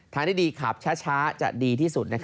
เลยสิทธิขับช้าจะดีที่สุด